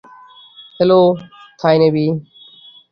Hello, Thai navy.